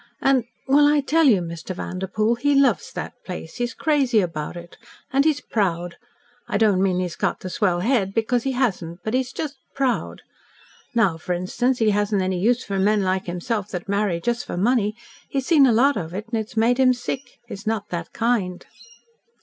And well, I tell you, Mr. Vanderpoel, he LOVES that place he's crazy about it. And he's proud I don't mean he's got the swell head, because he hasn't but he's just proud. Now, for instance, he hasn't any use for men like himself that marry just for money. He's seen a lot of it, and it's made him sick. He's not that kind."